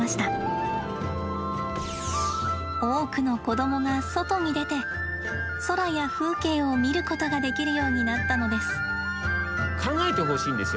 多くの子どもが外に出て空や風景を見ることができるようになったのです。